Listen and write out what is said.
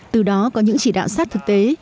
từ đó có những chỉ đạo sát thực tế